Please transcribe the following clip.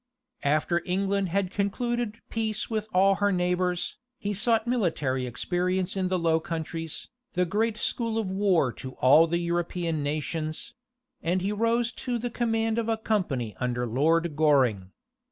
After England had concluded peace with all her neighbors, he sought military experience in the Low Countries, the great school of war to all the European nations; and he rose to the command of a company under Lord Goring.